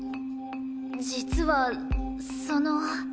実はその。